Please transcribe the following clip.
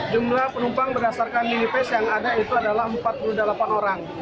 jumlah penumpang berdasarkan minifest yang ada itu adalah empat puluh delapan orang